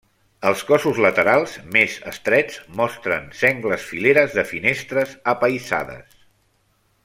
Els cossos laterals, més estrets, mostren sengles fileres de finestres apaïsades.